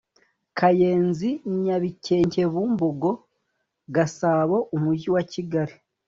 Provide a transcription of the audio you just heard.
Kayenzi nyabikenkebumbogo gasabo umujyi wa kigali